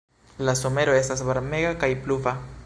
La somero estas varmega kaj pluva.